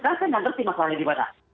saya nggak ngerti masalahnya di mana